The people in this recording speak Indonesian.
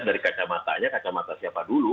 dari kacamata nya kacamata siapa dulu